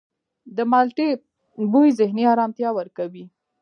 د مالټې بوی ذهني آرامتیا ورکوي.